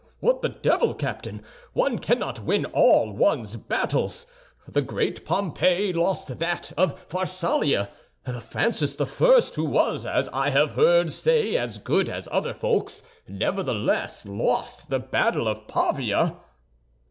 What the devil, Captain, one cannot win all one's battles! The great Pompey lost that of Pharsalia; and Francis the First, who was, as I have heard say, as good as other folks, nevertheless lost the Battle of Pavia."